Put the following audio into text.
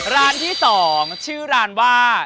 ร้านที่๒ชื่อร้านว่า